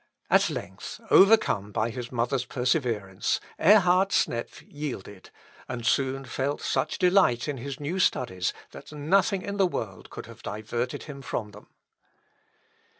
At length, overcome by his mother's perseverance, Ehrhard Snepf yielded, and soon felt such delight in his new studies, that nothing in the world could have diverted him from them.